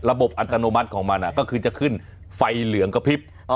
อัตโนมัติของมันก็คือจะขึ้นไฟเหลืองกระพริบ